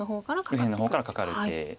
右辺の方からカカる手。